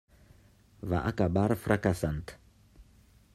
Va acabar fracassant.